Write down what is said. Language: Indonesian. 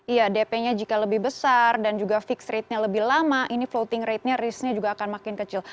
ya dp nya jika lebih besar dan juga fixed rate nya lebih lama ini floating rate nya risk nya juga akan makin kecil